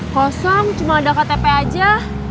kosong cuma ada ktp aja